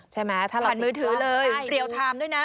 ผ่านมือถือเลยเรียลไทม์ด้วยนะ